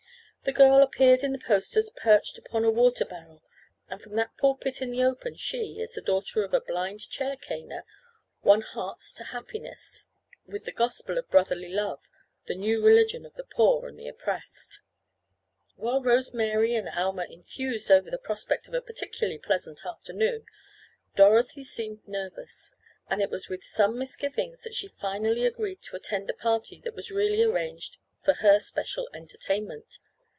The girl appeared in the posters perched upon a water barrel and from that pulpit in the open she, as the daughter of a blind chair caner, won hearts to happiness with the gospel of brotherly love—the new religion of the poor and the oppressed. While Rose Mary and Alma enthused over the prospect of a particularly pleasant afternoon, Dorothy seemed nervous, and it was with some misgivings that she finally agreed to attend the party that was really arranged for her special entertainment.